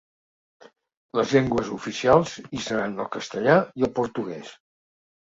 Les llengües oficials hi seran el castellà i el portuguès.